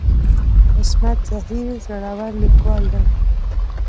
عصمت زهیر زړور ليکوال دی.